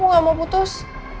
emang aku gak mau putus